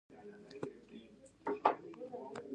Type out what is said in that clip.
_مکتب به څنګه کوې؟